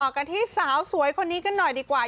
กันที่สาวสวยคนนี้กันหน่อยดีกว่า